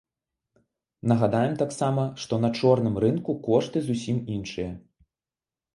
Нагадаем таксама, што на чорным рынку кошты зусім іншыя.